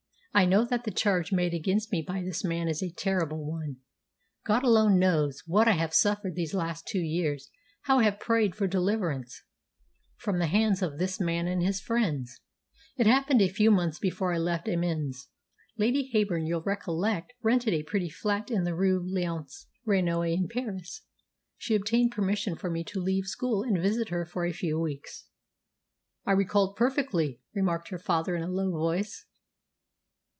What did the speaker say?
I know that the charge made against me by this man is a terrible one. God alone knows what I have suffered these last two years, how I have prayed for deliverance from the hands of this man and his friends. It happened a few months before I left Amiens. Lady Heyburn, you'll recollect, rented a pretty flat in the Rue Léonce Reynaud in Paris. She obtained permission for me to leave school and visit her for a few weeks." "I recollect perfectly," remarked her father in a low voice.